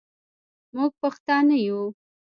موږ پښتانه یو.